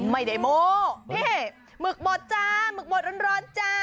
ไม่ได้โม่มึกบดจ้ามึกบดร้อนจ้า